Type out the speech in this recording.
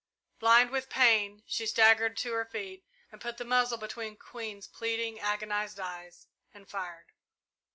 Blind with pain, she staggered to her feet, put the muzzle between Queen's pleading, agonized eyes, and fired.